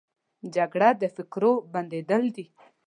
جګړه د فکرو بندېدل دي